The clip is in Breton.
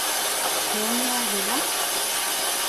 Pehini eo ar wellañ ?